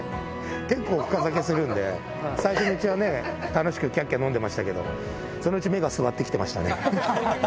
結構、深酒するんで、最初のうちはね、楽しくきゃっきゃ飲んでましたけど、そのうち目が座ってましたね。